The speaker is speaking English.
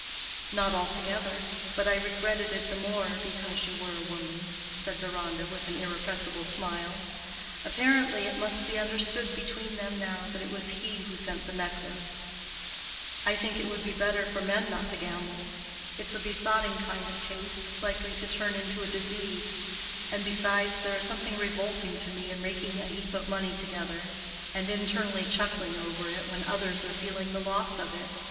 "Not altogether; but I regretted it the more because you were a woman," said Deronda, with an irrepressible smile. Apparently it must be understood between them now that it was he who sent the necklace. "I think it would be better for men not to gamble. It is a besotting kind of taste, likely to turn into a disease. And, besides, there is something revolting to me in raking a heap of money together, and internally chuckling over it, when others are feeling the loss of it.